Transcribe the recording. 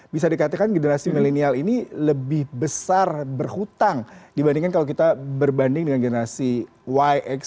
bisa dikatakan generasi milenial ini lebih besar berhutang dibandingkan kalau kita berbanding dengan generasi yx